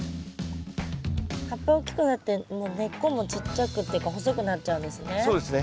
葉っぱ大きくなってもう根っこもちっちゃくっていうか細くなっちゃうんですね。